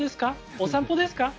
お散歩ですか？